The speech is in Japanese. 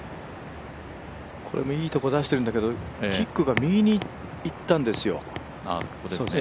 これもいいところ出しているんだけど、キックが右にいったんですよ。